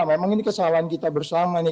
memang ini kesalahan kita bersama nih